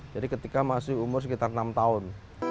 jadi ketika masih umur sekitar enam tahun